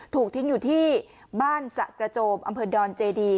ถูกทิ้งอยู่ที่บ้านสะกระโจมอำเภอดอนเจดี